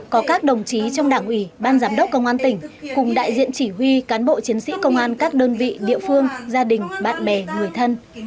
có các đồng chí trong đảng ủy ban giám đốc công an tỉnh cùng đại diện chỉ huy cán bộ chiến sĩ công an các đơn vị địa phương gia đình bạn bè người thân